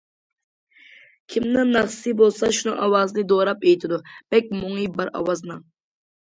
كىمنىڭ ناخشىسى بولسا شۇنىڭ ئاۋازىنى دوراپ ئېيتىدۇ، بەك مۇڭى بار ئاۋازىنىڭ.